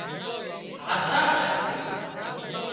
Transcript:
هاسا منَ ٿِي